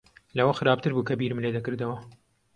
لەوە خراپتر بوو کە بیرم لێ دەکردەوە.